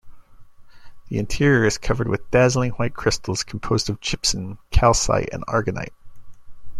The interior is covered with dazzling white crystals composed of gypsum, calcite, and aragonite.